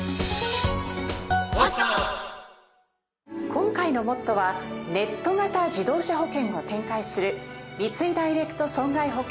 今回の『ＭＯＴＴＯ！！』はネット型自動車保険を展開する三井ダイレクト損害保険